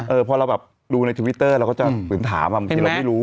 เออพอเราแบบดูในทวิตเตอร์เราก็จะมีคุณถามว่าบางทีอะไรไม่รู้